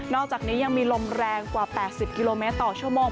อกจากนี้ยังมีลมแรงกว่า๘๐กิโลเมตรต่อชั่วโมง